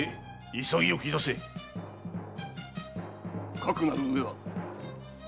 かくなるうえは！